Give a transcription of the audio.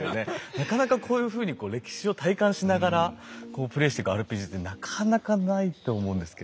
なかなかこういうふうにこう歴史を体感しながらこうプレイしてくＲＰＧってなかなかないと思うんですけど。